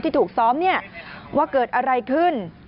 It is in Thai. ที่ถูกซ้อมว่าเกิดอะไรขึ้น